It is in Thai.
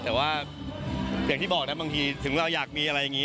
แต่ว่าอย่างที่บอกนะบางทีถึงเราอยากมีอะไรอย่างนี้